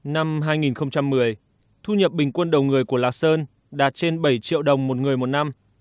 năm hai nghìn một mươi thu nhập bình quân đầu người của lạc sơn đạt trên bảy triệu đồng một người một năm